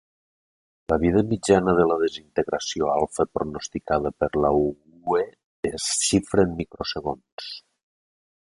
La vida mitjana de la desintegració alfa pronosticada per a l'Uue es xifra en microsegons.